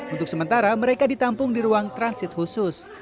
untuk sementara mereka ditampung di ruang transit khusus